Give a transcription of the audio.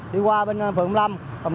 đi qua bên phường năm